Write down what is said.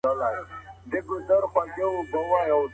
څه شی د بخښنې او هیرولو ترمنځ توپیر دی؟